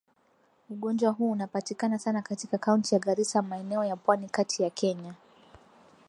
Ugonjwa huu unapatikana sana katika Kaunti ya Garissa maeneo ya Pwani Kati ya Kenya